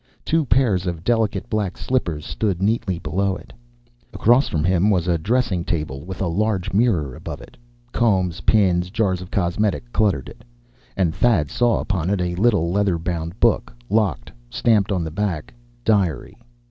Two pairs of delicate black slippers stood neatly below it. Across from him was a dressing table, with a large mirror above it. Combs, pins, jars of cosmetic cluttered it. And Thad saw upon it a little leather bound book, locked, stamped on the back "Diary."